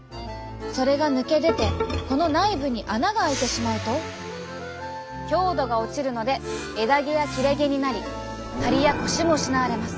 それが抜け出てこの内部に穴があいてしまうと強度が落ちるので枝毛や切れ毛になりハリやコシも失われます。